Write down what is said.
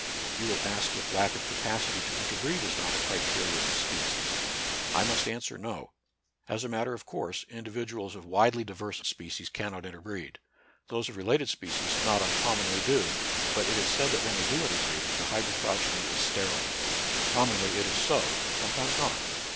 You will ask if lack of capacity to interbreed is not a criterion of species. I must answer. No. As a matter of course individuals of widely di 42 NATURAL SCIENCE AND RELIGION. verse species cannot interbreed ; those of re lated species not uncommonly do ; but it is said that when they do interbreed the hybrid pro geny is sterile. Commonly it is so, sometimes not.